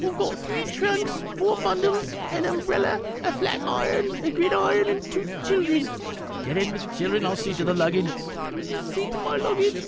"Ive got three trunks, four bundles, an umbrella, a flat iron, a gridiron, and two childer." Porter. "Get in with the children ; I'll see to the luggage." Fat Lady. " Will you see to my luggage?" Porter.